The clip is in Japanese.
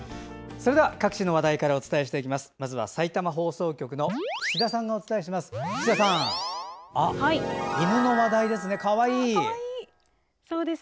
それでは各地の話題からお伝えしていきます。